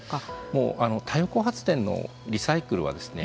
もう太陽光発電のリサイクルはですね